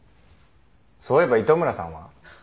そういえば糸村さんは？